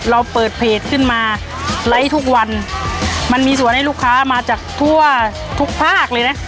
เราเปิดเพจขึ้นมาไลค์ทุกวันมันมีส่วนให้ลูกค้ามาจากทั่วทุกภาคเลยนะ